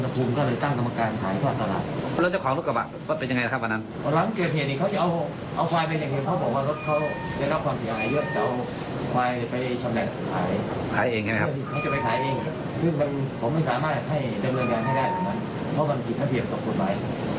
พันธ์ตำรวจโทรประตบโพงยังยืนยันด้วยว่า